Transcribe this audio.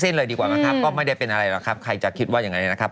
เลยดีกว่านะครับก็ไม่ได้เป็นอะไรหรอกครับใครจะคิดว่ายังไงนะครับ